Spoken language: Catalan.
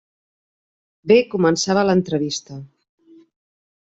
Bé començava l'entrevista.